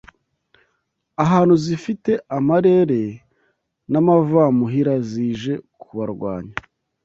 ahantu zifite amarere n’amavamuhira zije kubarwanya